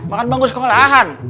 makan bangun sekolahan